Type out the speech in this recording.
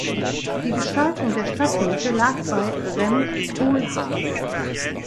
Die Gestaltung der Stadtmitte lag bei Rem Koolhaas.